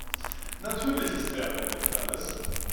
Natürlich ist Werbung nicht alles.